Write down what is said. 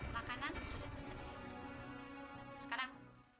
makanan sudah tersedia sekarang